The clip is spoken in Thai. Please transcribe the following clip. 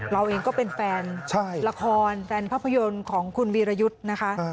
เราเองก็เป็นแฟนละครแฟนภาพยนตร์ของคุณวีรยุทธ์นะคะ